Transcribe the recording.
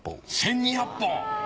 １，２００本！